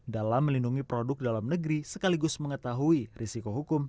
dalam melindungi produk dalam negeri sekaligus mengetahui risiko hukum